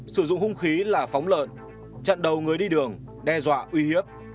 sử dụng hung khí là phóng lợn chặn đầu người đi đường đe dọa uy hiếp